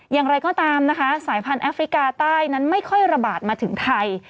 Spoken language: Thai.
อย่างไรก็ตามนะคะสายพันธแอฟริกาใต้นั้นไม่ค่อยระบาดมาถึงไทย